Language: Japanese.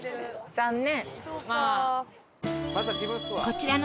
残念